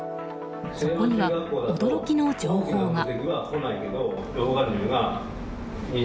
そこには驚きの情報が。